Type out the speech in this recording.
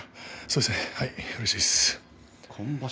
うれしいです。